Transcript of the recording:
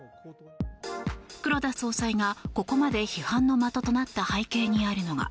黒田総裁がここまで批判の的となった背景にあるのが